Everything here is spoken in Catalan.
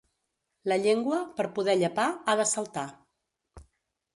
La llengua, per poder llepar, ha de saltar.